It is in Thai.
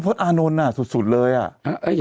เป็นการกระตุ้นการไหลเวียนของเลือด